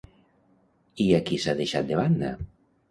I a qui s'ha deixat de banda?